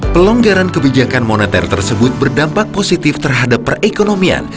pelonggaran kebijakan moneter tersebut berdampak positif terhadap perekonomian